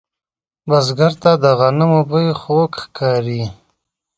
بزګر ته د غنمو بوی خوږ ښکاري